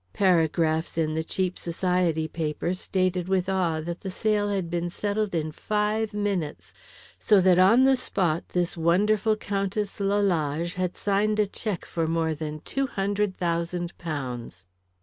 Paragraphs in the cheap Society papers stated with awe that the sale had been settled in five minutes, so that on the spot this wonderful Countess Lalage had signed a cheque for more than two hundred thousand pounds.